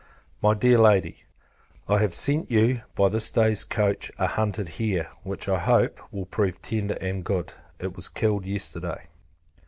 My Dear Lady, I have sent you, by this day's coach, a hunted hare; which, I hope, will prove tender and good. It was killed yesterday.